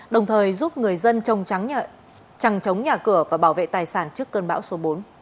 đồng thời giúp người dân trăng trống nhà cửa và bảo vệ tài sản trước cơn bão số bốn